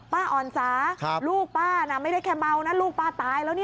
อ่อนสาลูกป้าน่ะไม่ได้แค่เมานะลูกป้าตายแล้วนี่